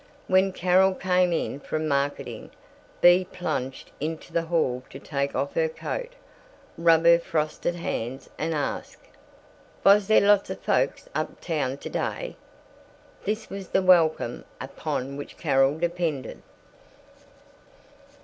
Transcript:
When Carol came in from marketing, Bea plunged into the hall to take off her coat, rub her frostied hands, and ask, "Vos dere lots of folks up town today?" This was the welcome upon which Carol depended.